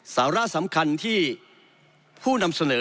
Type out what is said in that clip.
สาระสำคัญที่ผู้นำเสนอ